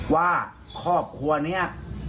ว่าครอบครัวนี้